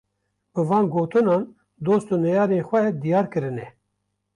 Bi van gotinan dost û neyarên xwe diyar kirine